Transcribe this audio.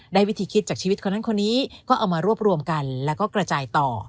วิธีคิดจากชีวิตคนนั้นคนนี้ก็เอามารวบรวมกันแล้วก็กระจายต่อ